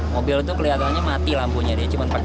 korban yang di depan